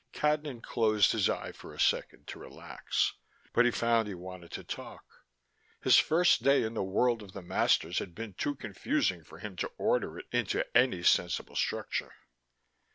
Cadnan closed his eye for a second, to relax, but he found he wanted to talk. His first day in the world of the masters had been too confusing for him to order it into any sensible structure.